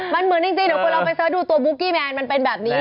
มันเหมือนจริงเดี๋ยวคุณลองไปเสิร์ชดูตัวบุ๊กกี้แมนมันเป็นแบบนี้